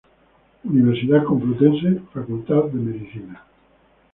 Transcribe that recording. Universidad Complutense Facultad de Medicina.